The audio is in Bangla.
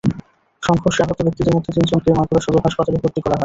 সংঘর্ষে আহত ব্যক্তিদের মধ্যে তিনজনকে মাগুরা সদর হাসপাতালে ভর্তি করা হয়।